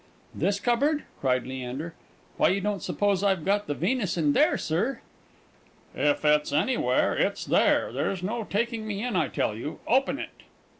"This cupboard?" cried Leander. "Why, you don't suppose I've got the Venus in there, sir!" "If it's anywhere, it's there! There's no taking me in, I tell you. Open it!"